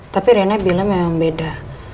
tapi riana bilang memang beda